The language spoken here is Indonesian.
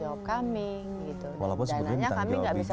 walaupun sebenarnya tanggung jawab itu juga wasliduh